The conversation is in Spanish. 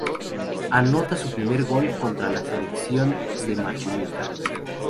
Anota su primer gol contra la selección de Martinica.